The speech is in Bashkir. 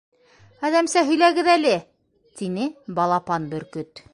—Әҙәмсә һөйләгеҙ әле, —тине Балапан Бөркөт.